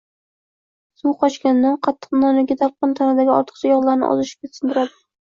Suvi qochgan non, qattiq non yoki talqon tanadagi ortiqcha yog‘larni o‘ziga singdiradi.